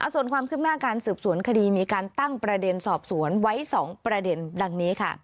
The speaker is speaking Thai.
ส่วนความคืบหน้าการสืบสวนคดีมีการตั้งประเด็นสอบสวนไว้๒ประเด็นดังนี้ค่ะ